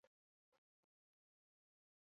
Egun arraza mundu guztian zehar zabaldurik dago.